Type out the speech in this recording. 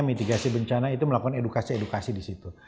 mitigasi bencana itu melakukan edukasi edukasi di situ